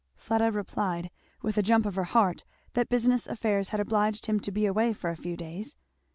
Fleda replied, with a jump of her heart, that business affairs had obliged him to be away for a few days.